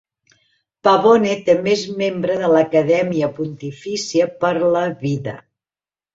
Pavone també és membre de l'Acadèmia Pontifícia per la Vida.